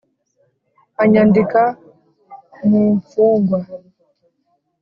Anyandika mu mfungwa